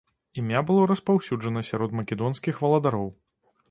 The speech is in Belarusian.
Імя было распаўсюджана сярод македонскіх валадароў.